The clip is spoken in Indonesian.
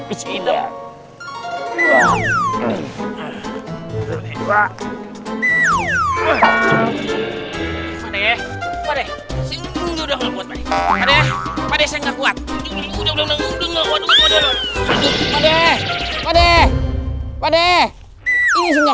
ini ruang apa goresnya